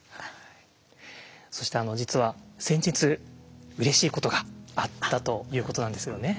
そして実は先日うれしいことがあったということなんですよね。